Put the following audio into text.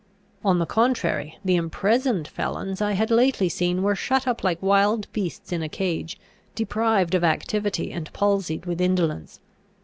On the contrary, the imprisoned felons I had lately seen were shut up like wild beasts in a cage, deprived of activity, and palsied with indolence.